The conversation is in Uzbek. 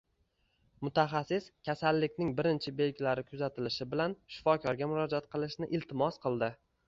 Mutaxassis kasallikning birinchi belgilari kuzatilishi bilan shifokorga murojaat qilishni iltimos qildi